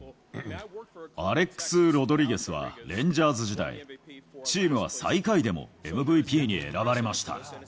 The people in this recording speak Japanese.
アレックス・ロドリゲスはレンジャーズ時代、チームは最下位でもＭＶＰに選ばれました。